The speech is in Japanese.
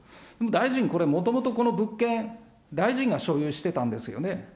大臣これ、もともとこの物件、大臣が所有してたんですよね。